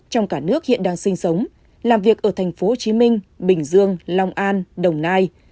trong cả nước hiện đang sinh sống làm việc ở tp hcm bình dương long an đồng nai